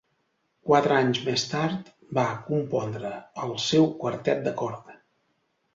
Quatre anys més tard, va compondre el seu Quartet de corda.